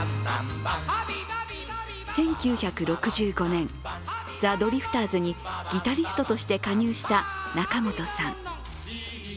１９６５年、ザ・ドリフターズにギタリストとして加入した仲本さん。